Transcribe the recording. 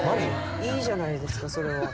いいじゃないですか、それは。